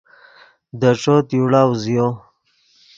دے ݯوت یوڑا اوزیو